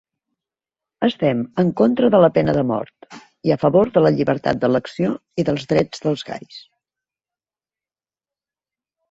Estem en contra de la pena de mort i a favor de la llibertat d'elecció i dels drets dels gais.